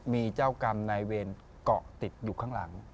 มีเจ้ากรรมนายเวรเกาะติดอยู่ข้างหลัง